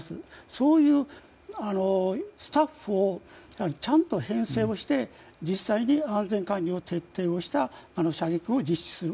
そういうスタッフをちゃんと編成をして実際に安全管理を徹底をした射撃を実施する。